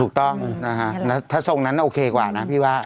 ถูกต้องถ้าทรงนั้นน่ะโอเคกว่านะฮะพี่ว่า